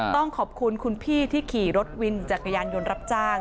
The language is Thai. ต้องขอบคุณคุณพี่ที่ขี่รถวินจักรยานยนต์รับจ้าง